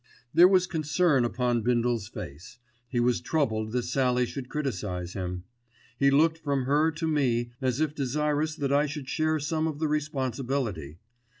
There was concern upon Bindle's face: he was troubled that Sallie should criticise him. He looked from her to me, as if desirous that I should share some of the responsibility.